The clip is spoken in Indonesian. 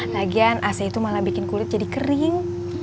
lagian ac itu malah bikin kulit jadi kering